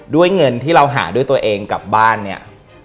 ด้วยเงินที่เราหาด้วยตัวเองกลับบ้านเนี่ย